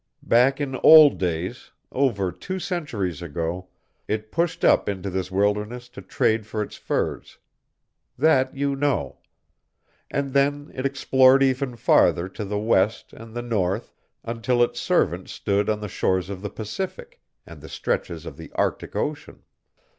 Back in old days, over two centuries ago, it pushed up into this wilderness to trade for its furs. That you know. And then it explored ever farther to the west and the north, until its servants stood on the shores of the Pacific and the stretches of the Arctic Ocean.